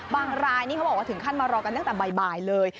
รายนี่เขาบอกว่าถึงขั้นมารอกันตั้งแต่บ่ายเลย